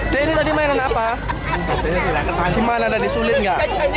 jadi belajar apa aja tadi di gamenya